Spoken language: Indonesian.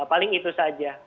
paling itu saja